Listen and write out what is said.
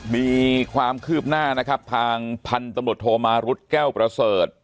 มีความคืบหน้านะครับทางพันธุ์ตำรวจโทมารุธแก้วประเสริฐ